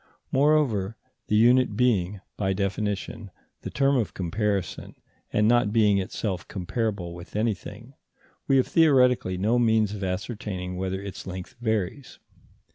Moreover, the unit being, by definition, the term of comparison, and not being itself comparable with anything, we have theoretically no means of ascertaining whether its length varies.